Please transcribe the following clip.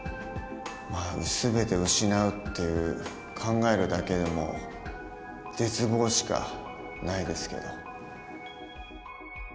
全てを失うって考えるだけでも絶望しかないですけど。